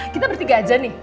kita bertiga aja nih